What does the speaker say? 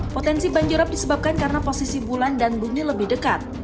potensi banjirop disebabkan karena posisi bulan dan bumi lebih dekat